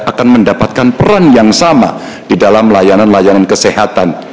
akan mendapatkan peran yang sama di dalam layanan layanan kesehatan